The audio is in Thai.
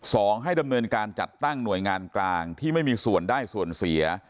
ให้ดำเนินการจัดตั้งหน่วยงานกลางที่ไม่มีส่วนได้ส่วนเสีย